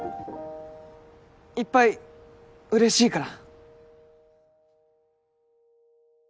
いっぱい嬉しいから。